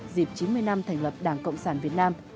dịp chín mươi năm thành lập đảng cộng sản việt nam